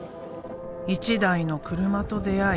１台の車と出会い